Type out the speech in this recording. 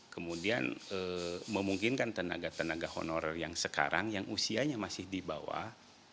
kemudian memungkinkan tenaga tenaga honorer yang sekarang yang usianya masih di bawah